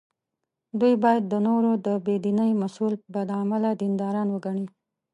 دوی باید د نورو د بې دینۍ مسوول بد عمله دینداران وګڼي.